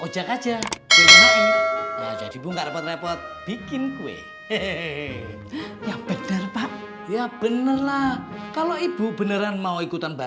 sampai jumpa di video selanjutnya